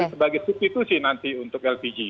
sebagai substitusi nanti untuk lpg